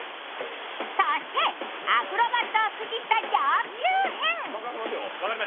そしてアクロバットを駆使した上級編。